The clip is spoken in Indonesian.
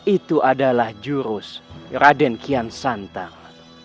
itu adalah jurus raden kian santang